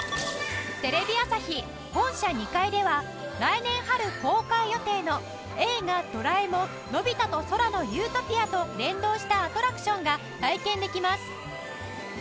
テレビ朝日本社２階では来年春公開予定の『映画ドラえもんのび太と空の理想郷』と連動したアトラクションが体験できます